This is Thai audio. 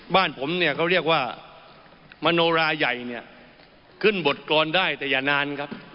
บ้านผมเนี่ยเขาเรียกว่ามโนราใหญ่เนี่ยขึ้นบทกรได้แต่อย่านานครับ